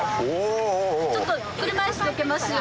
・ちょっと車椅子どけますよ。